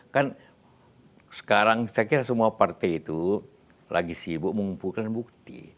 kan sekarang saya kira semua partai itu lagi sibuk mengumpulkan bukti